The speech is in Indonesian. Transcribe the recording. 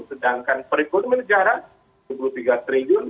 sedangkan perekonomian negara rp dua puluh tiga triliun